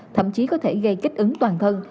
thậm chí có thể gây kích ứng toàn thân